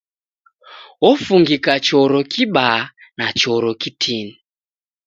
Ofungika choro kibaa na choro kitini.